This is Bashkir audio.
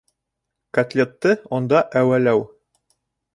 Котлетты онда әүәләү